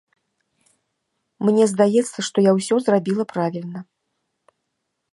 Мне здаецца, што я ўсё зрабіла правільна.